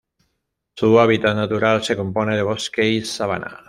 Su hábitat natural se compone de bosque y sabana.